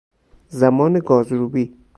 زمان گازروبی